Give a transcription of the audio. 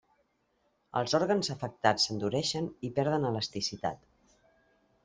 Els òrgans afectats s'endureixen i perden elasticitat.